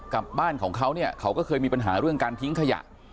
บ้านของเขาเนี่ยเขาก็เคยมีปัญหาเรื่องการทิ้งขยะ